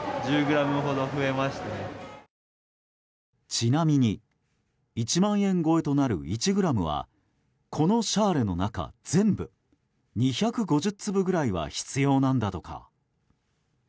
ちなみに１万円超えとなる１ｇはこのシャーレの中、全部２５０粒くらいは必要なんだとか。